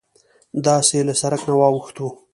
داسې له سرک نه واوښتوو.